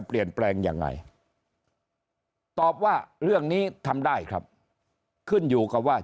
เปลี่ยนแปลงยังไงตอบว่าเรื่องนี้ทำได้ครับขึ้นอยู่กับว่า